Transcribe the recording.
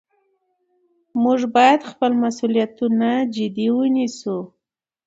موږ باید خپل مسؤلیتونه جدي ونیسو